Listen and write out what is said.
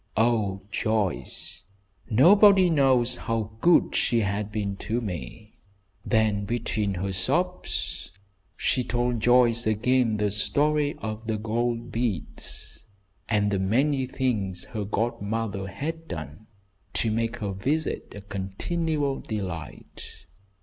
Oh, Joyce, nobody knows how good she has been to me!" Then between her sobs she told Joyce again the story of the gold beads, and the many things her godmother had done to make her visit a continual delight.